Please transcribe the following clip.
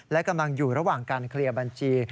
และกำลังอยู่ระหว่างการเคลียร์บัญชี